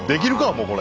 もうこれ。